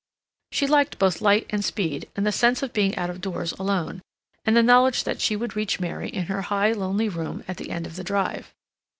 She liked both light and speed, and the sense of being out of doors alone, and the knowledge that she would reach Mary in her high, lonely room at the end of the drive.